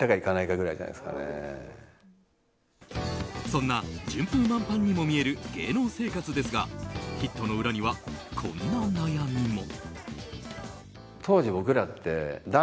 そんな順風満帆にも見える芸能生活ですがヒットの裏には、こんな悩みも。